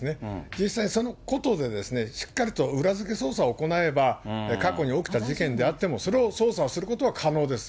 実際、そのことでしっかりと裏付け捜査を行えば、過去に起きた事件であっても、それを捜査をすることは可能です。